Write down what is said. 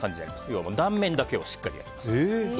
要は断面だけをしっかり焼きます。